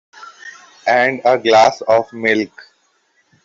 And a glass of milk.